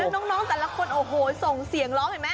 น้องแต่ละคนโอ้โหส่งเสียงร้องเห็นไหม